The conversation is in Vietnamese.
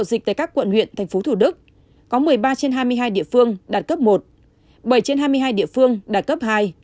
dịch tại các quận huyện tp hcm có một mươi ba trên hai mươi hai địa phương đạt cấp một bảy trên hai mươi hai địa phương đạt cấp hai